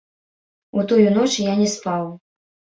У тую ноч я не спаў.